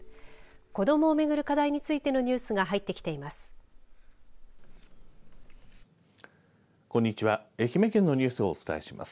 子どもを巡る課題についてのニュースが入ってきています。